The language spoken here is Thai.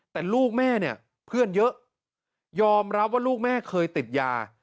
แต่ลูกแม่เนี่ยเพื่อนเยอะยอมรับว่าลูกแม่เคยติดยา